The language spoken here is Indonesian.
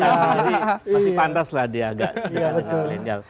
jadi masih pantas lah dia agak dengan milenial